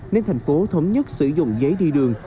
nên thành phố thống nhất sử dụng giấy đi đường